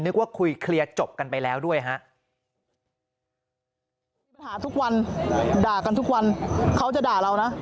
นึกว่าคุยเคลียร์จบกันไปแล้วด้วยฮะ